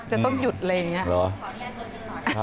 จะต้องหยุดเลย